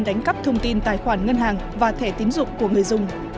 đánh cắp thông tin tài khoản ngân hàng và thẻ tín dụng của người dùng